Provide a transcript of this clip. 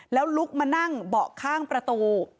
แล้วลุกมานั่งเบาะข้างประตู